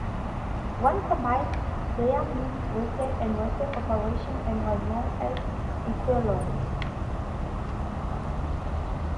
One combined their Midwestern and Western operations and was known as Equilon.